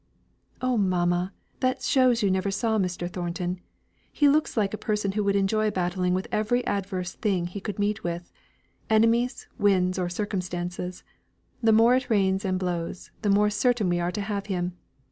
"Oh mamma, that shows you never saw Mr. Thornton. He looks like a person who would enjoy battling with every adverse thing he could meet with enemies, winds, or circumstances. The more it rains and blows, the more certain we are to have him.